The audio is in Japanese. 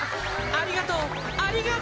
ありがとう！